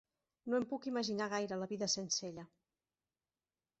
No em puc imaginar gaire la vida sense ella.